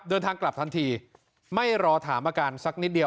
เดินทางกลับทันทีไม่รอถามอาการสักนิดเดียว